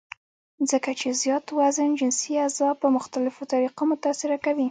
ځکه چې زيات وزن جنسي اعضاء پۀ مختلفوطريقو متاثره کوي -